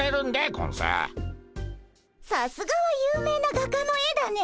さすがは有名な画家の絵だね。